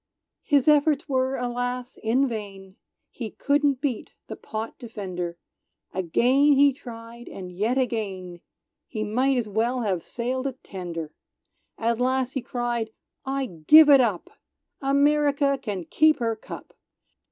His efforts were alas! in vain, He couldn't beat the pot defender, Again he tried, and yet again, He might as well have sailed a tender! At last he cried "I give it up! America can keep her cup!"